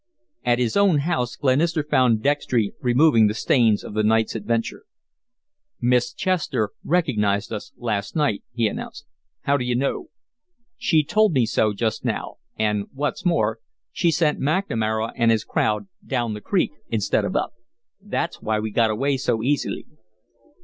At his own house Glenister found Dextry removing the stains of the night's adventure. "Miss Chester recognized us last night," he announced. "How do you know?" "She told me so just now, and, what's more, she sent McNamara and his crowd down the creek instead of up. That's why we got away so easily."